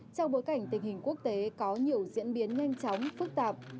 cảnh tình hình quốc tế có nhiều diễn biến nhanh chóng phức tạp